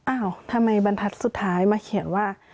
อ้าวทำไมบรรทัศน์สุดท้ายมาเขียนว่า